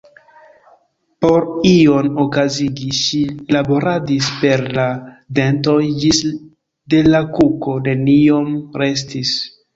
Por ion okazigi, ŝi laboradis per la dentoj ĝis de la kuko neniom restis.